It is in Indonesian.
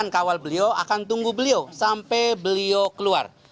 kawal beliau akan tunggu beliau sampai beliau keluar